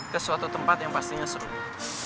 ke suatu tempat yang pastinya seru